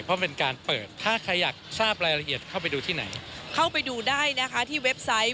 เพราะเป็นการเปิดถ้าใครอยากทราบรายละเอียดเข้าไปดูที่ไหนเข้าไปดูได้นะคะที่เว็บไซต์